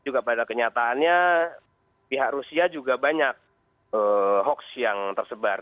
juga pada kenyataannya pihak rusia juga banyak hoax yang tersebar